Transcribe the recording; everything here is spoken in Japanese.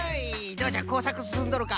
どうじゃこうさくすすんどるか？